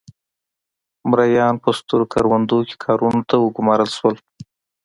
مریان په سترو کروندو کې کارونو ته وګومارل شول.